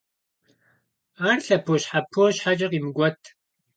Ар лъэпощхьэпо щхьэкӀэ къимыкӀуэт.